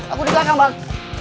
aku di belakang bang